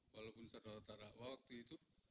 walaupun saudara saudara waktu itu